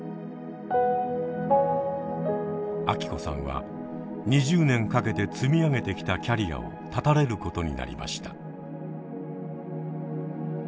アキコさんは２０年かけて積み上げてきたキャリアを断たれることになりました。